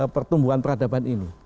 pertumbuhan peradaban ini